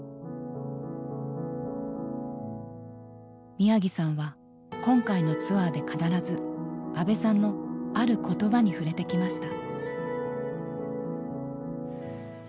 宮城さんは今回のツアーで必ず安部さんのある言葉に触れてきました。